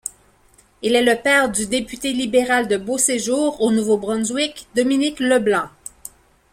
Il est le père du député libéral de Beauséjour, au Nouveau-Brunswick, Dominic LeBlanc.